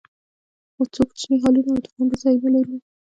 څو کوچني هالونه او د غونډو ځایونه لري.